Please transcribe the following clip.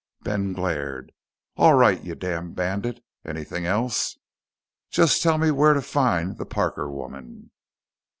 Ben glared. "All right, you damn bandit. Anything else?" "Just tell me where to find the Parker woman."